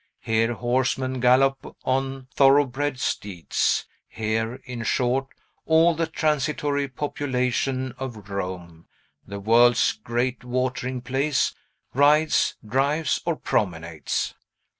Here horsemen gallop on thoroughbred steeds. Here, in short, all the transitory population of Rome, the world's great watering place, rides, drives, or promenades!